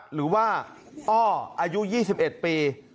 หรือว่าอ้ออายุ๒๑ปี